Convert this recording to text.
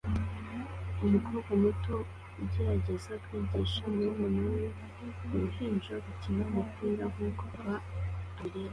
Umukobwa muto ugerageza kwigisha murumuna we uruhinja gukina umupira nkuko papa abireba